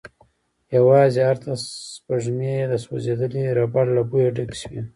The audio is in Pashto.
يواځې ارته سپږمې يې د سوځيدلې ربړ له بويه ډکې شوې.